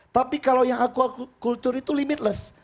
tapi kalau yang akuakultur itu limitless